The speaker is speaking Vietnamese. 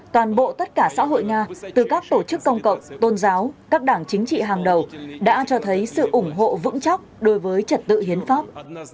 toàn bộ tất cả xã hội nga từ các tổ chức công cộng tôn giáo các đảng chính trị hàng đầu đã cho thấy sự ủng hộ vững chắc đối với trật tự hiến pháp